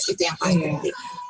itu yang paling penting